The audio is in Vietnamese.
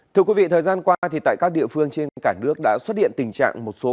thời gian qua tại các địa phương trên cả nước đã xuất hiện tình trạng một số